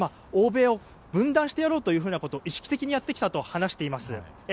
欧米を分断してやろうということを意識的にやってきたと話しています。